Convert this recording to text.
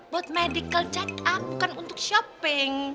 buat medical check up bukan untuk shopping